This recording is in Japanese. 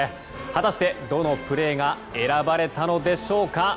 果たしてどのプレーが選ばれたのでしょうか。